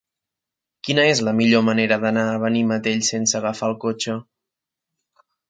Quina és la millor manera d'anar a Benimantell sense agafar el cotxe?